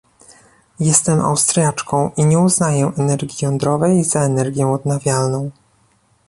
Jestem Austriaczką i nie uznaję energii jądrowej za energię odnawialną